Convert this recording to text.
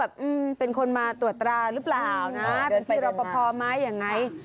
เดินไปเดินหน่า